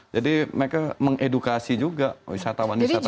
jadi mereka mengedukasi juga wisatawan wisatawan itu